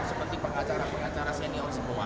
seperti pengacara pengacara senior semua